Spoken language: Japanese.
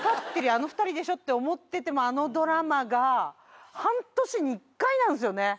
あの２人でしょって思っててもあのドラマが半年に１回なんですよね。